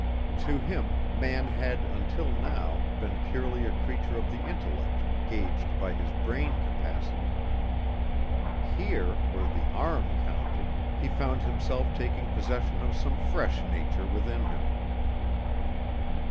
To him man had until now been purely a creature of the intellect gauged by his brain capacity. Here where the arm counted he found himself taking possession of some fresh nature within him.